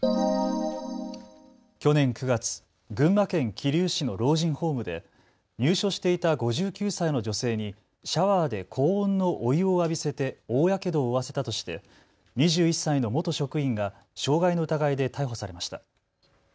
去年９月、群馬県桐生市の老人ホームで入所していた５９歳の女性にシャワーで高温のお湯を浴びせて大やけどを負わせたとして２１歳の元職員が傷害の疑いで逮捕されました。